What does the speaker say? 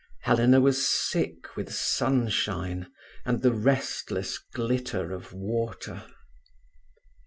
Helena was sick with sunshine and the restless glitter of water.